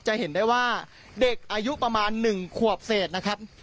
จะเห็นได้ว่าเด็กอายุประมาณ๑ขวบเศษนะครับ